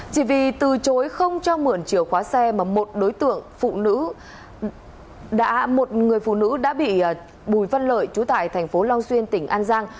chỉ vì từ chối không cho mượn chiều khóa xe mà một người phụ nữ đã bị bùi văn lợi trú tại tp long xuyên tỉnh an giang